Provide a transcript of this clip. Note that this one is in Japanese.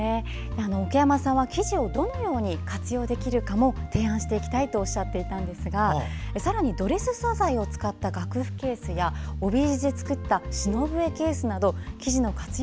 奥山さんは生地をどのように活用できるかも提案していきたいとおっしゃっていたんですがさらにドレス素材を使った楽譜ケースや帯地で作った篠笛ケースなど生地の活用